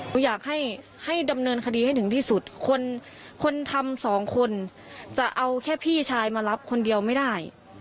อยากให้ให้ดำเนินคดีให้ถึงที่สุดคนคนทำสองคนจะเอาแค่พี่ชายมารับคนเดียวไม่ได้